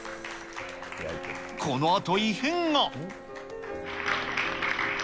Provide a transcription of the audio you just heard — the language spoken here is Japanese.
このあと異変が。